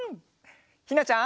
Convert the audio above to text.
ひなちゃん。